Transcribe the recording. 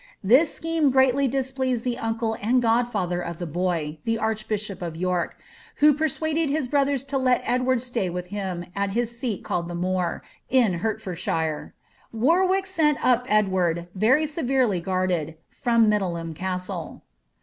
This scheme greatly pleased the uncle and godfather of the boy, the archbishop of York, who persuaded his brotliers to let Edward stay with him at his seat called the More, in Hertfoidshire. Warwick sent up Edward, very severely guarded, from Middleham Castle.